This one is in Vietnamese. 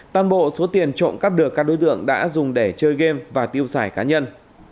toàn bộ số tiền trộm cắp được các đối tượng đã dùng để chơi game và tiêu xài cá nhân